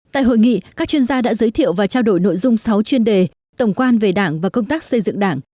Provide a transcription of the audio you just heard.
tại hội nghị các chuyên gia đã giới thiệu và trao đổi nội dung sáu chuyên đề tổng quan về đảng và công tác xây dựng đảng